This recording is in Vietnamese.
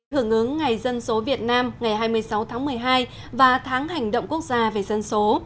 hưởng ứng ngày dân số việt nam ngày hai mươi sáu tháng một mươi hai và tháng hành động quốc gia về dân số